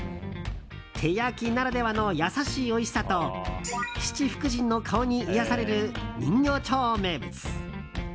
手焼きならではの優しいおいしさと七福神の顔に癒やされる人形町名物。